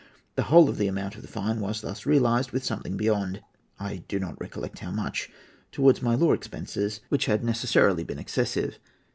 The whole of the amount of the fine was thus realized, with something beyond—I do not recollect how much—towards my law expenses, which had necessarily been excessive.